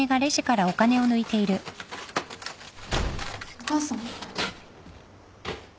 お母さん？